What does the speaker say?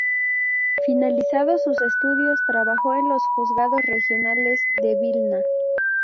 Finalizados sus estudios trabajó en los juzgados regionales de Vilna.